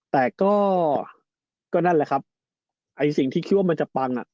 แต่ก็นั่นแหละครับไอ้สิ่งที่คิดว่ามันจะปังอ่ะ